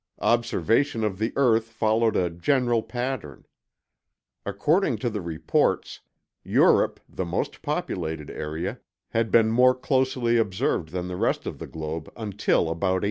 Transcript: Observation of the earth followed a general pattern. According to the reports, Europe, the most populated area, had been more closely observed than the rest of the globe until about 1870.